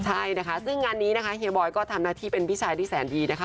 ใช่นะคะซึ่งงานนี้นะคะเฮียบอยก็ทำหน้าที่เป็นพี่ชายที่แสนดีนะคะ